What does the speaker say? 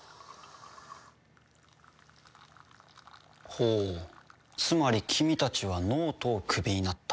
ほうつまり君たちは脳人をクビになった。